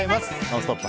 「ノンストップ！」